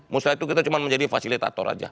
musrah itu kita cuma menjadi fasilitator aja